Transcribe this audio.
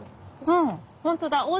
うん。